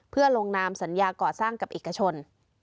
เพื่อลงนามสัญญาก่อสร้างกับเอกชน